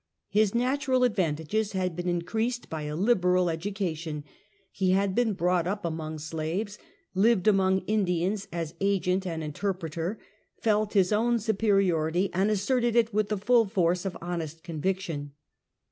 His nat ural advantages had been increased by a liberal educa tion; he had been brought up among slaves, lived among Indians as agent and interpreter, felt his own superiority, and asserted it with the full force of hon est conviction.